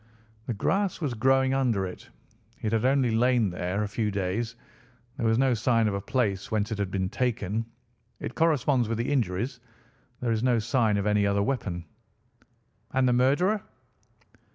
"The grass was growing under it. It had only lain there a few days. There was no sign of a place whence it had been taken. It corresponds with the injuries. There is no sign of any other weapon." "And the murderer?"